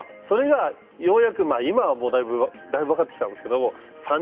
それがようやく今はだいぶ分かってきたんですけど